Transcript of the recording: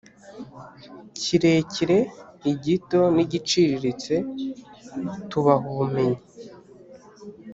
kirekire igito n igiciriritse tubaha ubumenyi